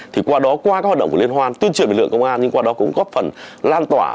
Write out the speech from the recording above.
thì qua đó qua các hoạt động của liên hoan tuyên truyền lực lượng công an nhưng qua đó cũng góp phần lan tỏa